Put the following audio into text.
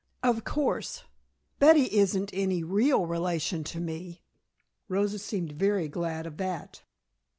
Of course, Betty isn't any real relation to me." Rosa seemed very glad of that.